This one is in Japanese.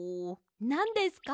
なんですか？